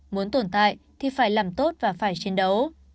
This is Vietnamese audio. muốn tồn tại thì phải làm tốt và phải chiến đấu